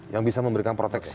yang bisa memberikan proteksi